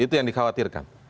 itu yang dikhawatirkan